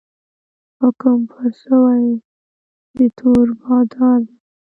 حکم پر سوی د تور بادار دی